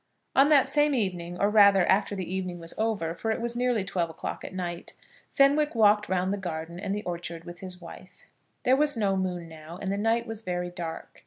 On that same evening, or, rather, after the evening was over, for it was nearly twelve o'clock at night, Fenwick walked round the garden and the orchard with his wife. There was no moon now, and the night was very dark.